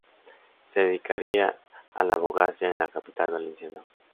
Se dedicaría a la abogacía en la capital valenciana.